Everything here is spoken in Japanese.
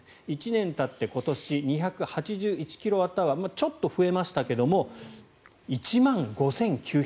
１年たって今年２８１キロワットアワーちょっと増えましたが１万５９００円。